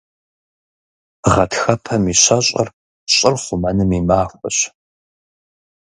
Гъэтхэпэм и щэщӏыр – щӏыр хъумэным и махуэщ.